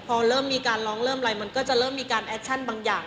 พอเริ่มมีการร้องเริ่มอะไรมันก็จะเริ่มมีการแอคชั่นบางอย่าง